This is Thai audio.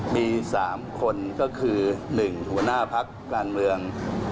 มี๓คนก็คือ๑หัวหน้าพักการเมือง